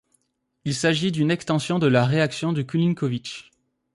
Il s’agit d’une extension de la réaction de Kulinkovich.